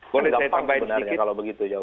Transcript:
boleh saya tambahin sedikit